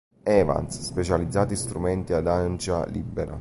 Evans, specializzato in strumenti ad ancia libera.